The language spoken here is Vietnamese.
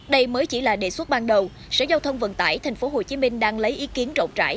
đây mới chỉ là đề xuất ban đầu sở giao thông vận tải tp hcm đang lấy ý kiến rộng rãi